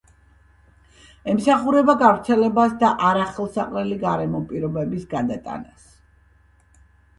ემსახურება გავრცელებას და არახელსაყრელი გარემო პირობების გადატანას.